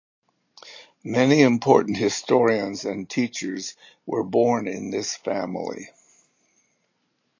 Many important historians and teachers were born in this family.